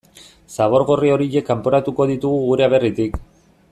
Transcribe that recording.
Zabor gorri horiek kanporatuko ditugu gure aberritik.